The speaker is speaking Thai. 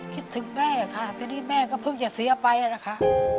คิดถึงแม่ค่ะทีนี้แม่ก็เพิ่งจะเสียไปนะคะ